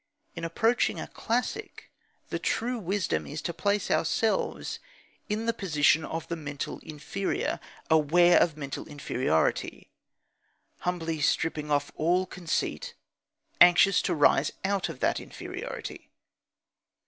In approaching a classic, the true wisdom is to place ourselves in the position of the mental inferior, aware of mental inferiority, humbly stripping off all conceit, anxious to rise out of that inferiority.